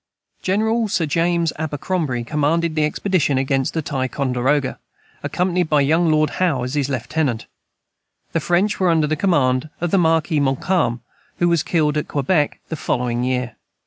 General Sir James Abercrombie commanded the expedition against Ticonderoga, accompanied by young Lord Howe as his lieutenant. The French were under the command of the marquis Montcalm, who was killed at Quebec the following year.